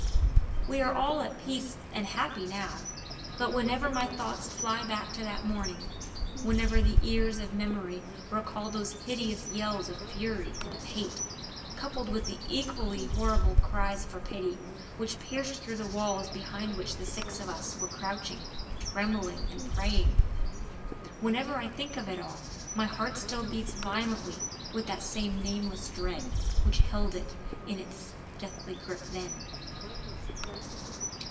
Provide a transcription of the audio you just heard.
We are all at peace and happy now, but whenever my thoughts fly back to that morning, whenever the ears of memory recall those hideous yells of fury and of hate, coupled with the equally horrible cries for pity, which pierced through the walls behind which the six of us were crouching, trembling, and praying, whenever I think of it all my heart still beats violently with that same nameless dread which held it in its deathly grip then.